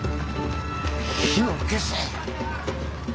火を消せ。